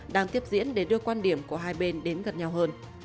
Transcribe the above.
đang tiếp diễn để đưa quan điểm của hai bên đến gần nhau hơn